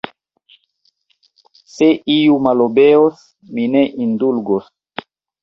Se iu malobeos, mi ne indulgos!